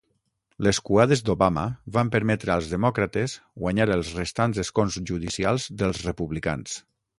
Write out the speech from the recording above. Les cuades d'Obama van permetre als demòcrates guanyar els restants escons judicials dels republicans.